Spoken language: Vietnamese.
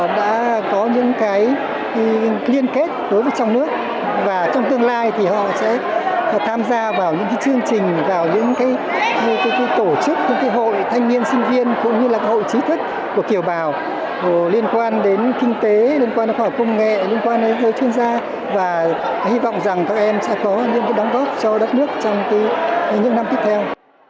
đã có những cái liên kết đối với trong nước và trong tương lai thì họ sẽ tham gia vào những cái chương trình vào những cái tổ chức những cái hội thanh niên sinh viên cũng như là hội trí thức của kiểu bào liên quan đến kinh tế liên quan đến khoa học công nghệ liên quan đến hội chuyên gia và hy vọng rằng các em sẽ có những cái đóng góp cho đất nước trong những năm tiếp theo